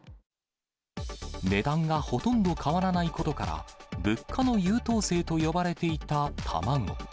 値段がほとんど変わらないことから、物価の優等生と呼ばれていた卵。